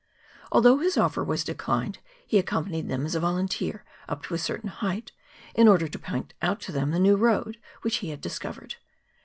Although his offer was declined he accompanied them as a volunteer up to a certain height in order to point out to them the new road which he had discovered.